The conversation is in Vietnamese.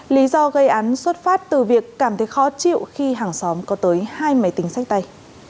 lý do gây án xuất phát từ việc cảm thấy khó chịu khi hàng xóm có tới hai máy tính sách tay